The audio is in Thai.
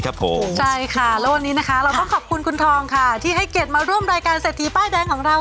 และวันนี้เราต้องขอบคุณคุณทองที่ให้เกดมาร่วมรายการเศรษฐีป้ายแดงของเรา